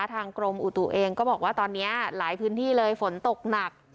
ทางกรมอุตุเองก็บอกว่าตอนนี้หลายพื้นที่เลยฝนตกหนัก